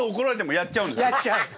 やっちゃう！